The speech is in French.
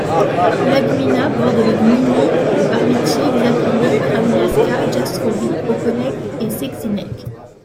La gmina borde les gminy de Barwice, Czaplinek, Grzmiąca, Jastrowie, Okonek et Szczecinek.